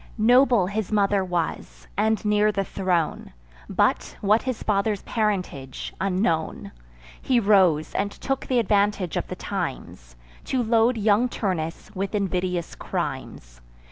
Noble his mother was, and near the throne; But, what his father's parentage, unknown. He rose, and took th' advantage of the times, To load young Turnus with invidious crimes.